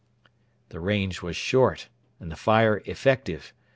The range was short and the fire effective.